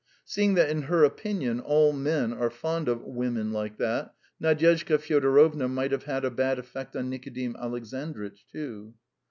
Seeing that in her opinion all men are fond of "women like that," Nadyezhda Fyodorovna might have a bad effect on Nikodim Alexandritch too.